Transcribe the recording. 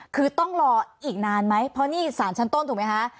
คือต้องรออีกนานไหมเพราะนี่สารชั้นต้นถูกไหมคะ